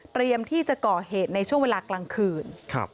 เตรียมที่จะเกาะเหตุในช่วงเวลากลางคืน